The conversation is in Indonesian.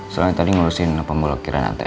selain tadi ngurusin pembuluh kiriman aku